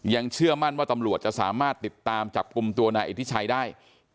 เชื่อมั่นว่าตำรวจจะสามารถติดตามจับกลุ่มตัวนายอิทธิชัยได้